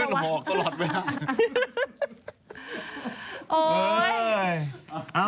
มันหอกตลอดเวลา